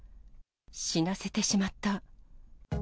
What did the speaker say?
死なせてしまった。